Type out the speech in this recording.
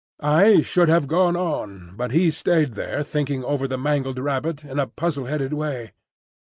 I should have gone on, but he stayed there thinking over the mangled rabbit in a puzzle headed way.